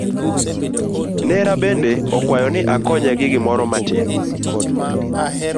Nera bende okwaya ni akonye gi gimoro matin.